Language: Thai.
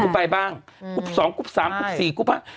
กรุ๊ปไปบ้างกรุ๊ปสองกรุ๊ปสามกรุ๊ปสี่กรุ๊ปห้า